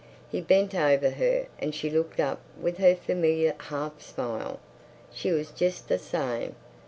He bent over her and she looked up with her familiar half smile. She was just the same.